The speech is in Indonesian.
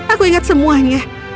aku ingat semuanya